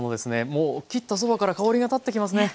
もう切ったそばから香りが立ってきますね。